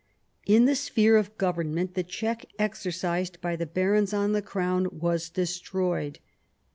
In the sphere of government the check exercised by the barons on the Crown was destroyed.